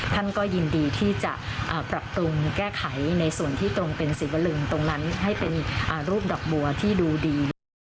ท่านก็ยินดีที่จะปรับปรุงแก้ไขในส่วนที่ตรงเป็นสีบลึงตรงนั้นให้เป็นรูปดอกบัวที่ดูดีนะคะ